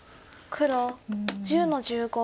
黒１０の十五。